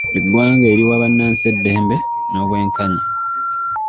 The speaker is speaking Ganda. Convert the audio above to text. Eggwanga eriwa bannansi eddembe n'obwenkanya.